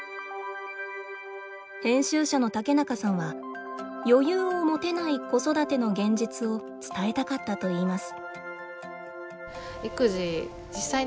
編集者の竹中さんは余裕を持てない子育ての現実を伝えたかったといいます。